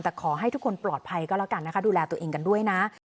แต่ขอให้ทุกคนปลอดภัยก็แล้วกันนะคะดูแลตัวเองกันด้วยนะ